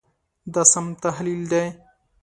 دا سم تحلیل دی.